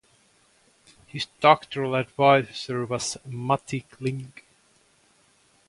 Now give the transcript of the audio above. His doctoral advisor was Matti Klinge.